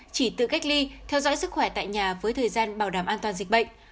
chỉ tự cách ly theo dõi sức khỏe tại nhà với thời gian bảo đảm an toàn dịch bệnh